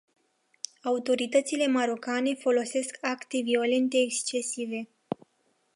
Autoritățile marocane folosesc acte violente excesive.